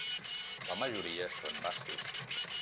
La majoria són vastos.